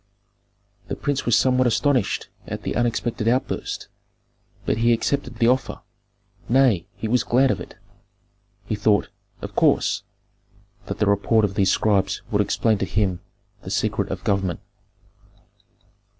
The prince was somewhat astonished at the unexpected outburst, but he accepted the offer; nay, he was glad of it. He thought, of course, that the report of these scribes would explain to him the secret of government.